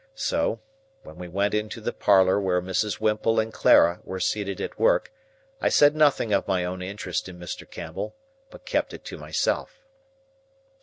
So, when we went into the parlour where Mrs. Whimple and Clara were seated at work, I said nothing of my own interest in Mr. Campbell, but kept it to myself.